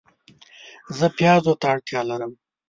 زه پیازو ته اړتیا لرم